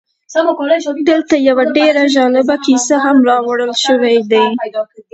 دلته یوه ډېره جالبه کیسه هم راوړل شوې ده